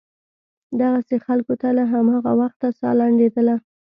دغسې خلکو ته له هماغه وخته سا لنډېدله.